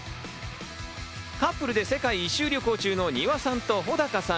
カップルで世界一周旅行中のニワさんとホダカさん。